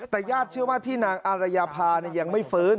แต่ญาติเชื่อว่าที่นางอารยาภายังไม่ฟื้น